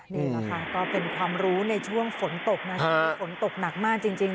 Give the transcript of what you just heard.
นี่แหละค่ะก็เป็นความรู้ในช่วงฝนตกฝนตกหนักมากจริง